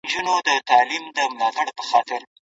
آیا هغه هڅه وکړه؟